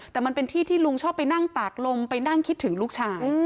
แต่มันเป็นที่ที่ลุงชอบไปนั่งตากลมไปนั่งคิดถึงลูกชาย